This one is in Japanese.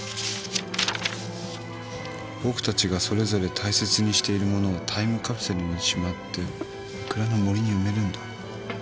「僕たちがそれぞれ大切にしている物をタイムカプセルにしまって御倉の森に埋めるんだ」